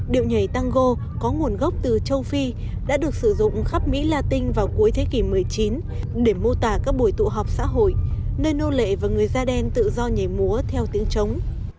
điệu nhảy tango có nguồn gốc từ châu phi đã được sử dụng khắp mỹ latin vào cuối thế kỷ một mươi chín để mô tả các buổi tụ họp xã hội nơi nô lệ và người da đen tự do nhảy múa theo tiếng trống